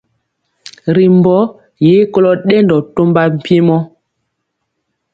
Ri mbɔ ye kolo dendɔ tɔmba mpiemɔ.